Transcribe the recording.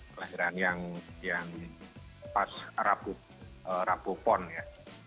kelahiran yang pas rabu pon ya